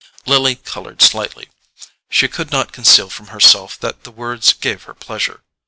Lily coloured slightly: she could not conceal from herself that the words gave her pleasure.